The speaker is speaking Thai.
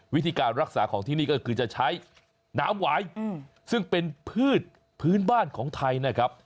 วิธีการรักษาของที่นี่ก็คือจะใช้น้ำหวายซึ่งเป็นพืชพื้นบ้านของไทยนะครับ